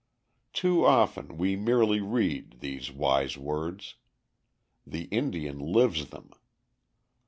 Too often we merely read these wise words. The Indian lives them.